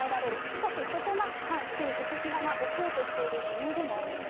しかし、そこが反習主席派が押そうとしている理由でもある。